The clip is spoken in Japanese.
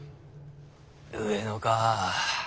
上野かぁ。